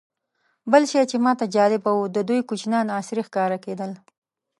بل شی چې ماته جالبه و، د دوی کوچیان عصري ښکارېدل.